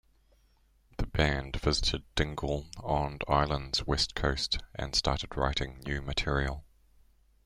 The band visited Dingle, on Ireland's west coast and started writing new material.